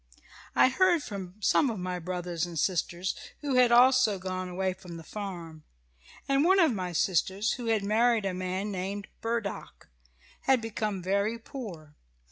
"I heard from some of my brothers and sisters who had also gone away from the farm, and one of my sisters, who had married a man named Burdock, had become very poor.